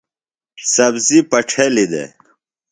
سبزیۡ پڇھلیۡ دےۡ۔